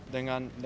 dengan squad muda